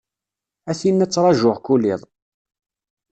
A tinna ttṛaǧuɣ kul iḍ.